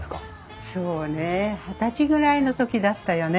そうねえ二十歳ぐらいの時だったよね？